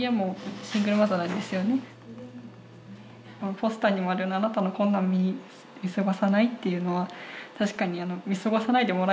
ポスターにもある「あなたの困難を見過ごさない」というのは確かに見過ごさないでもらいたいと思っていて。